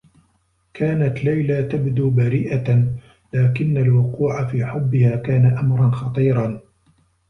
كانت ليلى تبدو بريئة لكنّ الوقوع في حبّها كان أمرا خطيرا.